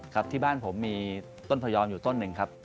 ครับที่บ้านผมมีต้นพยอมอยู่ต้นหนึ่งครับ